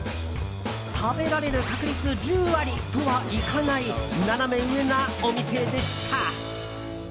食べられる確率１０割とはいかないナナメ上なお店でした。